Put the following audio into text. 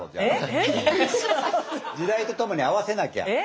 時代とともに合わせなきゃ。